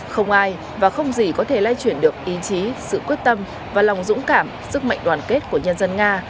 không ai và không gì có thể lay chuyển được ý chí sự quyết tâm và lòng dũng cảm sức mạnh đoàn kết của nhân dân nga